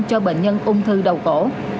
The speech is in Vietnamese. cho bệnh nhân ung thư đầu cổ